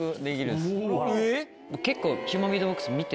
結構。